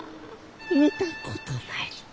見たことないき。